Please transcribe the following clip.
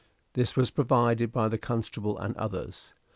This was proved by the constable and others.